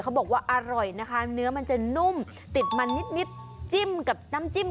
ผิงแจ่วขมเนี่ยเข้ากันหรอเกิน